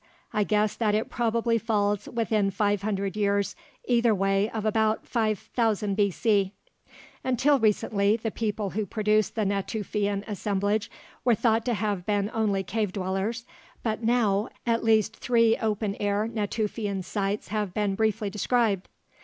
I guess that it probably falls within five hundred years either way of about 5000 B.C. Until recently, the people who produced the Natufian assemblage were thought to have been only cave dwellers, but now at least three open air Natufian sites have been briefly described.